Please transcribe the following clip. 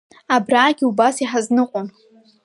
Абраагьы убас иҳазныҟәон.